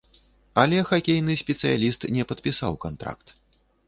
Але хакейны спецыяліст не падпісаў кантракт.